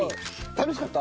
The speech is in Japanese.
楽しかった？